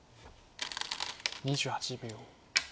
２８秒。